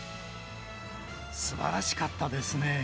すばらしかったですね。